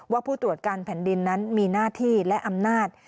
ผู้ตรวจการแผ่นดินนั้นมีหน้าที่และอำนาจ